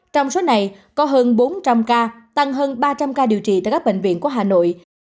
trong số này có hơn bốn trăm linh ca tăng hơn ba trăm linh ca điều trị tại các bệnh viện của hà nội